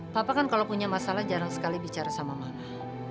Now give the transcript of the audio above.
papa kan kalau punya masalah jarang sekali bicara sama mana